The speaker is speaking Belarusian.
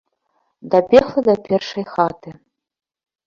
Дабегла да першай хаты.